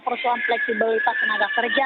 persoalan fleksibilitas tenaga kerja